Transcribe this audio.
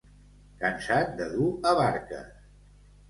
Cansat de dur avarques.